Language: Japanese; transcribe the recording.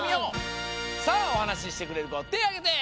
さあおはなししてくれるこてあげて！